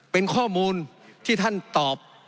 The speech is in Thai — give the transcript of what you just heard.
เป็นข้อมูลที่ท่านตอบ